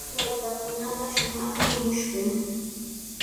Waytakunaqa shumaqmi mushkun.